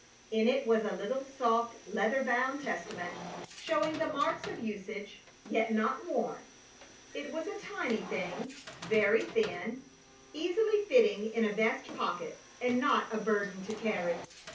In it was a little, soft, leather bound Testament, showing the marks of usage, yet not worn. It was a tiny thing, very thin, easily fitting in a vest pocket, and not a burden to carry.